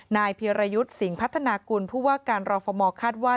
เพียรยุทธ์สิงห์พัฒนากุลผู้ว่าการรอฟมคาดว่า